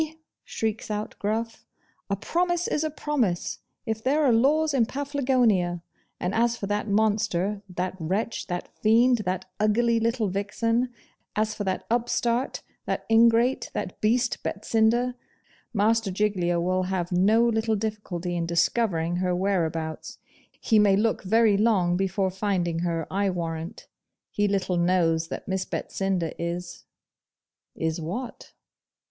shrieks out Gruff; 'a promise is a promise if there are laws in Paflagonia! And as for that monster, that wretch, that fiend, that ugly little vixen as for that upstart, that ingrate, that beast, Betsinda, Master Giglio will have no little difficulty in discovering her whereabouts. He may look very long before finding HER, I warrant. He little knows that Miss Betsinda is ' Is what?